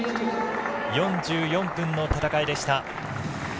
４４分の戦いでした。